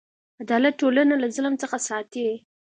عدالت ټولنه له ظلم څخه ساتي.